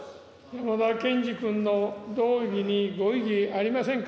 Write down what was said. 山田賢司君の動議にご異議ありませんか。